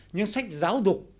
nhưng sách giáo dục